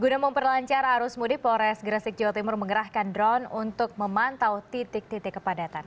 guna memperlancar arus mudik polres gresik jawa timur mengerahkan drone untuk memantau titik titik kepadatan